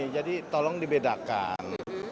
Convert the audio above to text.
jadi tolong dibedakan